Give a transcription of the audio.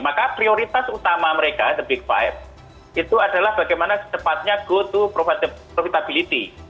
maka prioritas utama mereka the big five itu adalah bagaimana secepatnya go to profitability